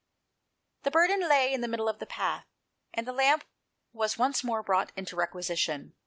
The burden lay in the middle of the path, and the lamp was once more brought into requisition.